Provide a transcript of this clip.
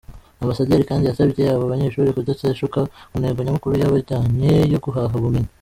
Ambasaderi kandi yasabye aba banyeshuri kudateshuka ku ntego nyamukuru yabajyanye yo guhaha ubumenyi.